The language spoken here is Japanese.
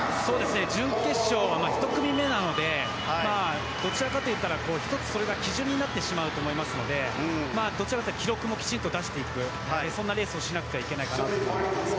準決勝は１組目なのでどちらかといったら、１つそれが基準になってしまうと思うのでどちらかというと記録もきちんと出していくというそんなレースをしなくてはいけないかなと思います。